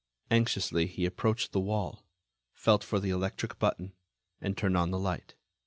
Anxiously, he approached the wall, felt for the electric button, and turned on the light.